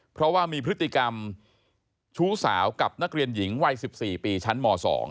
เพราะว่ามีพฤติกรรมชู้สาวกับนักเรียนหญิงวัย๑๔ปีชั้นม๒